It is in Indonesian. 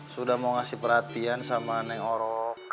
sudah mau ngasih perhatian sama neng orok